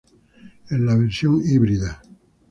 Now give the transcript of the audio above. En la versión híbrida.